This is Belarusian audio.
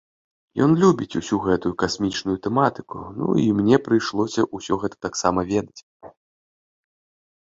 Ён любіць усю гэтую касмічную тэматыку, ну, і мне прыйшлося ўсё гэта таксама ведаць.